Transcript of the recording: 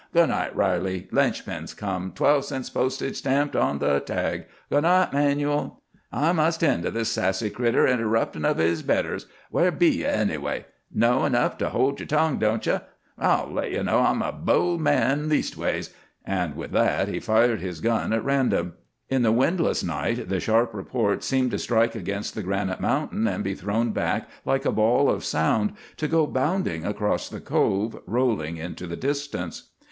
"Good night, Riley. Linch pin's come; twelve cents postage stamped on the tag. Good night, 'Manuel. I must tend to this sassy critter, interruptin' of his betters. Where be ye, anyway? Know enough to hold yer tongue, don't ye'? I'll let ye know I'm a bold man, leastways " and with that he fired his gun at random. In the windless night the sharp report seemed to strike against the granite mountain and be thrown back like a ball of sound, to go bounding across the Cove, rolling into the distance.